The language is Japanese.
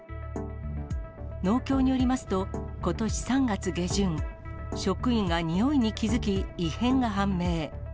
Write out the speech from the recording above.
農協によりますと、ことし３月下旬、職員がにおいに気付き、異変が判明。